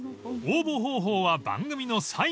［応募方法は番組の最後］